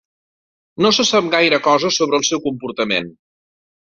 No se sap gaire cosa sobre el seu comportament.